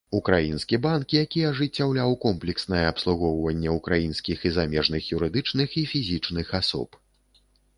Украінскі банк, які ажыццяўляў комплекснае абслугоўванне украінскіх і замежных юрыдычных і фізічных асоб.